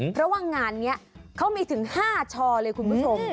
เพราะว่างานนี้เขามีถึง๕ชอเลยคุณผู้ชม